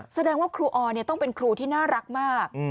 แสดงว่าครูออนต้องเป็นครูที่น่ารักมาก